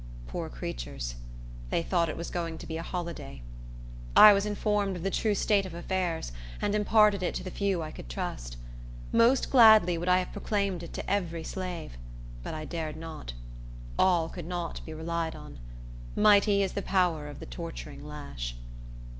Poor creatures! They thought it was going to be a holiday. I was informed of the true state of affairs, and imparted it to the few I could trust. Most gladly would I have proclaimed it to every slave; but I dared not. All could not be relied on. Mighty is the power of the torturing lash.